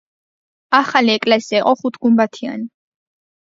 ახალი ეკლესია იყო ხუთგუმბათიანი.